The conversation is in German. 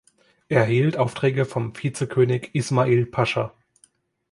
Er erhielt Aufträge vom Vizekönig Ismail Pascha.